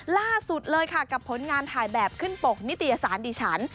ล่าสุดเลยค่ะกับผลงานถ่ายแบบขึ้นปกนิตยสารดิฉัน